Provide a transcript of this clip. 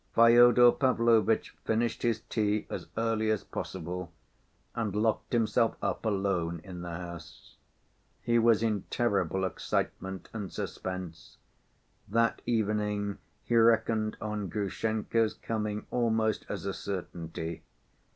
Fyodor Pavlovitch finished his tea as early as possible and locked himself up alone in the house. He was in terrible excitement and suspense. That evening he reckoned on Grushenka's coming almost as a certainty.